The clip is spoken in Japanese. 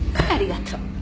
ありがとう。